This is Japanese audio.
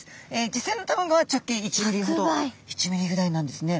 実際の卵は直径１ｍｍほど１ｍｍぐらいなんですね。